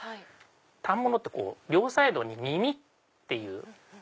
反物って両サイドに耳っていう。